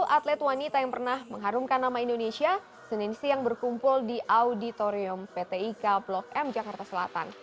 dua puluh atlet wanita yang pernah mengharumkan nama indonesia senin siang berkumpul di auditorium pt ika blok m jakarta selatan